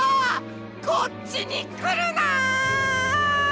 こっちにくるな！